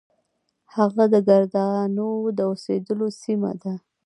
هغه د کردانو د اوسیدلو سیمه ده.